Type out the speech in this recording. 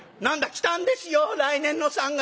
「来たんですよ来年の三月が。